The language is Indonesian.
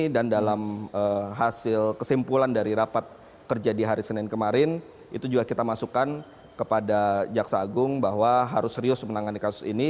dan dalam hasil kesimpulan dari rapat kerja di hari senin kemarin itu juga kita masukkan kepada jaksa agung bahwa harus serius menangani kasus ini